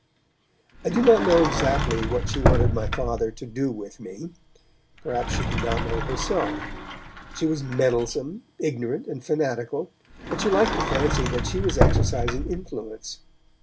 I do not know exactly what she wanted my Father to do with me; perhaps she did not know herself; she was meddlesome, ignorant and fanatical, and she liked to fancy that she was exercising influence.